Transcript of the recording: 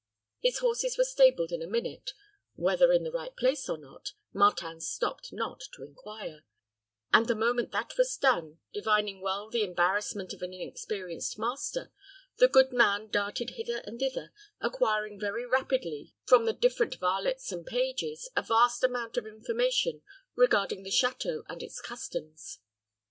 His horses were stabled in a minute whether in the right place or not, Martin stopped not to inquire and, the moment that was done, divining well the embarrassment of an inexperienced master, the good man darted hither and thither, acquiring very rapidly, from the different varlets and pages, a vast amount of information regarding the château and its customs.